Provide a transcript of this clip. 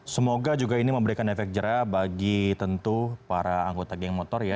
semoga juga ini memberikan efek jerah bagi tentu para anggota geng motor ya